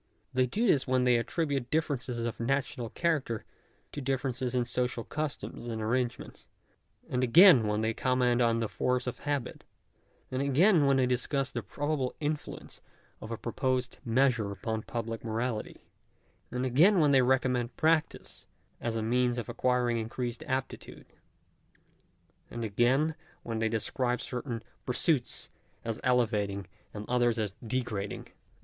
They do this when they attribute differences of national character to differences in social customs and arrangements : and again when they com ment on the force of habit : and again when they discuss the probable influence of a proposed measure upon public mo rality : and again when they recommend practice as a means of acquiring increased aptitude: and again when they describe certain pursuits as elevating and others as degrading: and Digitized by VjOOQIC 62 THE EVANESCENCE OF EVIL.